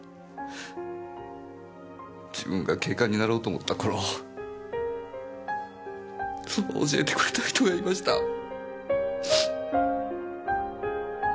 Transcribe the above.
自分が警官になろうと思った頃そう教えてくれた人がいました。